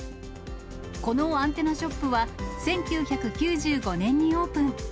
このアンテナショップは１９９５年にオープン。